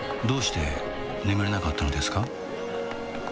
どうして眠れなかったのですか？